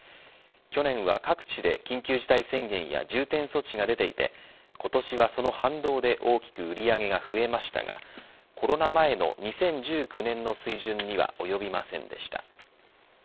去年は各地で緊急事態宣言や重点措置が出ていて今年はその反動で大きく売り上げが増えましたがコロナ前の２０１９年の水準には及びませんでした。